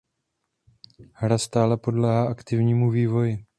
Hra stále podléhá aktivnímu vývoji.